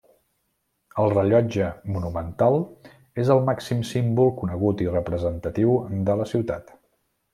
El Rellotge Monumental és el màxim símbol conegut i representatiu de la ciutat.